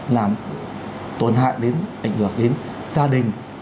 làm tổn hại đến ảnh hưởng đến gia đình